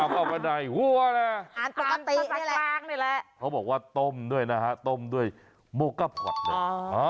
เขาบอกว่าต้มด้วยนะฮะต้มด้วยโมกะผวัดเลย